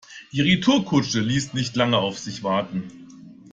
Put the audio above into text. Die Retourkutsche ließ nicht lange auf sich warten.